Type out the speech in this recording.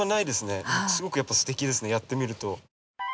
すごくやっぱすてきですねやってみると。